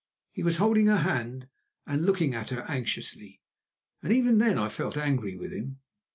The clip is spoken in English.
He was holding her hand and looking at her anxiously, and even then I felt angry with him.